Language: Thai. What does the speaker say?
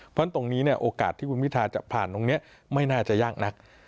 เพราะตรงนี้เนี่ยโอกาสที่คุณพิทาจะผ่านตรงนี้ไม่น่าจะยากนัก